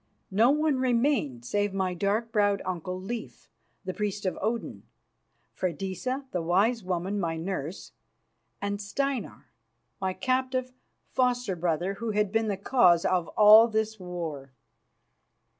No one remained save my dark browed uncle, Leif, the priest of Odin, Freydisa, the wise woman, my nurse, and Steinar, my captive foster brother, who had been the cause of all this war.